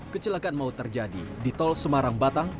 kecelakaan maut terjadi di tol semarang batang